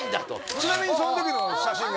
ちなみにそん時の写真が。